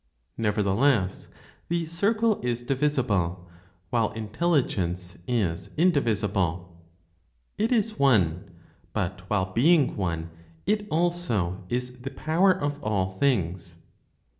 Nevertheless, the circle is divisible, while Intelligence is indivisible; it is one, but, while being one, it also is the power of all things.